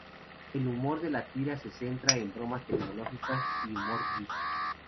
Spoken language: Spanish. El humor de la tira se centra en bromas tecnológicas y humor geek.